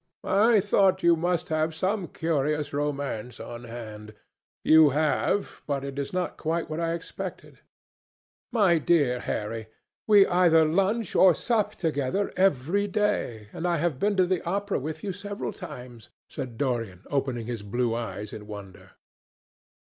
I thought you must have some curious romance on hand. You have; but it is not quite what I expected." "My dear Harry, we either lunch or sup together every day, and I have been to the opera with you several times," said Dorian, opening his blue eyes in wonder.